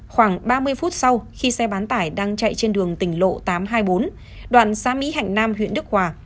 khoảng ba mươi phút sau khi xe bán tải đang chạy trên đường tỉnh lộ tám trăm hai mươi bốn đoạn xa mỹ hạnh nam huyện đức hòa